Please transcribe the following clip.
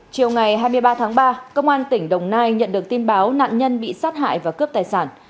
chiều ngày hai mươi ba tháng ba công an tỉnh đồng nai nhận được tin báo nạn nhân bị sát hại và cướp tài sản